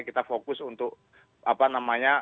kita fokus untuk apa namanya